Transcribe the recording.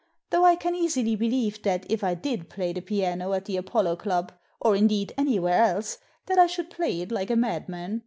Though I can easily believe that if I did play the piano at the Apollo Club, or, indeed, anywhere else, that I should play it like a madman.